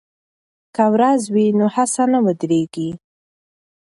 که ورځ وي نو هڅه نه ودریږي.